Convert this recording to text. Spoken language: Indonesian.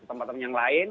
tempat tempat yang lain